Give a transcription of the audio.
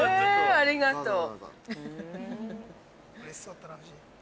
◆ありがとう。